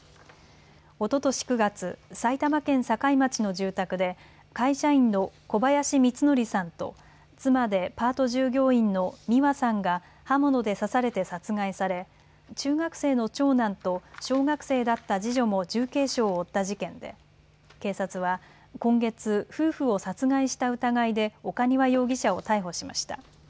おととし９月、埼玉県境町の住宅で会社員の小林光則さんと妻でパート従業員の美和さんが刃物で刺されて殺害され中学生の長男と小学生だった次女も重軽傷を負った事件で警察は今月、夫婦を殺害した疑いで岡庭容疑者を逮捕しました。